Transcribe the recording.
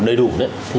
đầy đủ đấy